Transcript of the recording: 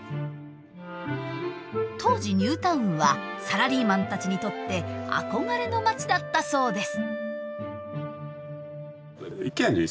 当時ニュータウンはサラリーマンたちにとって憧れの町だったそうです。